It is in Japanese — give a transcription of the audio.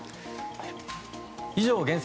以上、厳選！